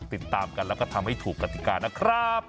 ติดตามกันแล้วก็ทำให้ถูกกติกานะครับ